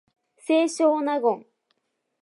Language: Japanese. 清少納言